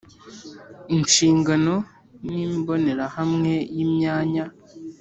Inshingano n imbonerahamwe y imyanya